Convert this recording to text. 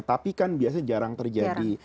tapi kan biasanya jarang terjadi